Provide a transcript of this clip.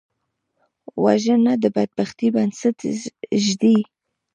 وژنه د بدبختۍ بنسټ ږدي